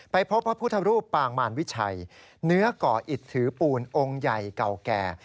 พบพระพุทธรูปปางมารวิชัยเนื้อก่ออิดถือปูนองค์ใหญ่เก่าแก่